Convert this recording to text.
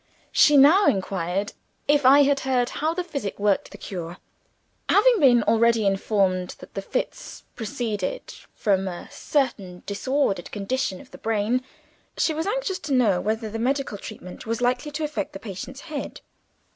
She now inquired if I had heard how the physic worked the cure. Having been already informed that the fits proceeded from a certain disordered condition of the brain, she was anxious to know whether the medical treatment was likely to affect the patient's head.